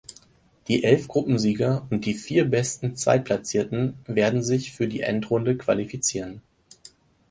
Die elf Gruppensieger und die vier besten Zweitplatzierten werden sich für die Endrunde qualifizieren.